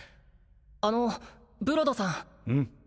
あのブロドさんうん？